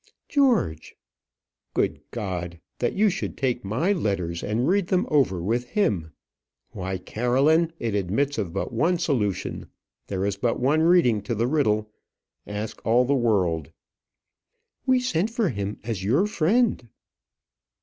"George! " "Good God! that you should take my letters and read them over with him! Why, Caroline, it admits but of one solution; there is but one reading to the riddle; ask all the world." "We sent for him as your friend."